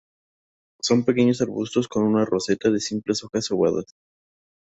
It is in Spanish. Son pequeños arbustos con una roseta de simples hojas ovadas.